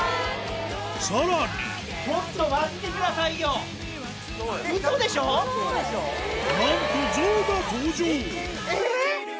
さらになんとゾウが登場えぇ！